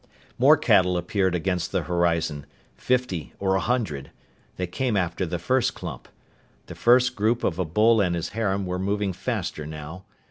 More cattle appeared against the horizon. Fifty or a hundred. They came after the first clump. The first group of a bull and his harem were moving faster, now.